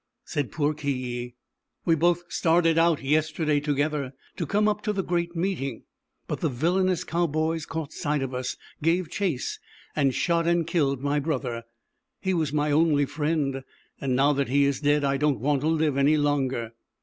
Said poor Ki Yi: "We both started out yesterday together, to come up to the Great Meeting; but the villainous Cowboys caught sight of us, gave chase, and shot and killed my brother. He was my only friend, and now that he is dead, I don't want to live any longer."